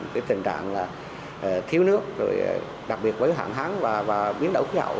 cái tình trạng là thiếu nước đặc biệt với hạng háng và biến đấu khí hậu